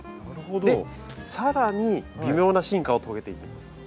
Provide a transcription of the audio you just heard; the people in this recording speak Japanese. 更に微妙な進化を遂げていきます。